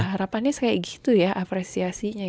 harapannya kayak gitu ya apresiasinya